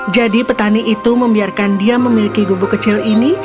jadi petani itu membiarkan dia memiliki gubu kecil ini